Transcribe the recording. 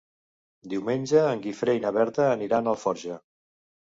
Diumenge en Guifré i na Berta aniran a Alforja.